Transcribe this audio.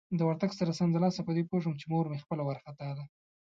د ورتګ سره سمدلاسه په دې پوه شوم چې مور مې خپله وارخطا ده.